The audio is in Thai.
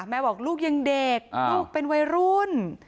บอกลูกยังเด็กลูกเป็นวัยรุ่น